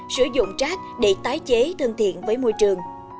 sử dụng rác để tái chế thân thiện với môi trường